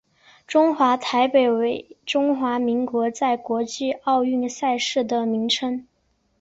中华台北为中华民国在国际奥运赛事的名称。